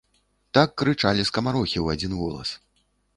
Так крычалі скамарохі ў адзін голас.